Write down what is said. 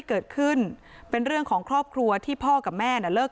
โทษตีกันเป็นธรรมดาเพราะตีกันมานานแล้ว